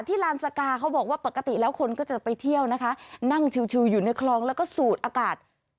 ลานสกาเขาบอกว่าปกติแล้วคนก็จะไปเที่ยวนะคะนั่งชิวอยู่ในคลองแล้วก็สูดอากาศ